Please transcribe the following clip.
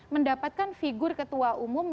mendapatkan figur ketua umum